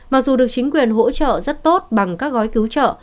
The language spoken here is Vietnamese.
mặc dù được chính quyền hỗ trợ rất tốt bằng các gói cứu trợ